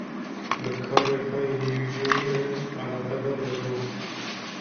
Bi karê xwe yê nîvcomayî re eleqedar dibû.